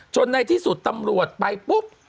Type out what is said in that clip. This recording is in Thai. ในที่สุดตำรวจไปปุ๊บ